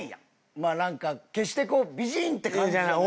まあなんか決して美人って感じじゃないけど。